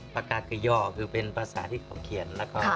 ปกากย่อคือเป็นภาษาที่เขาเขียน